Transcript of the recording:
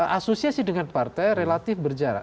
asosiasi dengan partai relatif berjarak